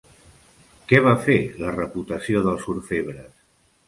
Què va fer la reputació dels orfebres?